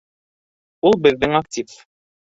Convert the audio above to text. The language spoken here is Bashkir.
— Ул беҙҙең актив.